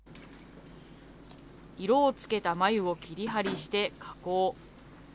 色をつけた繭を切り貼りして加工。